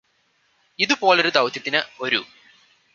ഇതുപോലൊരു ദൌത്യത്തിന്ന് ഒരു